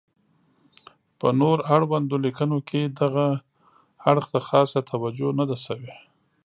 په نور اړوندو لیکنو کې دغې اړخ ته خاصه توجه نه ده شوې.